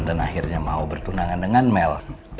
dan akhirnya mau bertunangan dengan mel